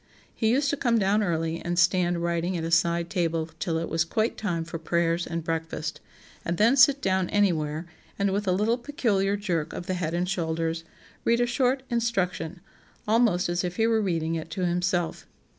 He used to come down early and stand writing at a side table till it was quite time for prayers and breakfast, and then sit down anywhere and, with a little peculiar jerk of the head and shoulders, read a short 'Instruction,' almost as if he were reading it to himself.